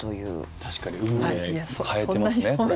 確かに運命変えてますねこれ。